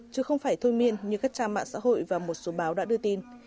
chứ không phải thôi miên như các trang mạng xã hội và một số báo đã đưa tin